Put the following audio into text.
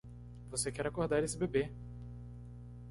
Você quer acordar esse bebê!